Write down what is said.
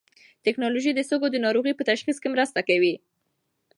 ټېکنالوژي د سږو د ناروغۍ په تشخیص کې مرسته کوي.